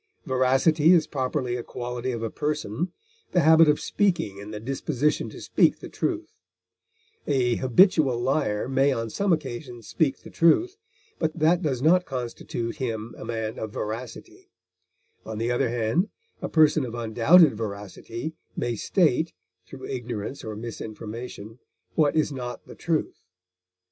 Veracity is properly a quality of a person, the habit of speaking and the disposition to speak the truth; a habitual liar may on some occasions speak the truth, but that does not constitute him a man of veracity; on the other hand, a person of undoubted veracity may state (through ignorance or misinformation) what is not the truth.